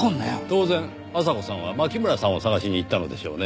当然阿佐子さんは牧村さんを捜しに行ったのでしょうねぇ。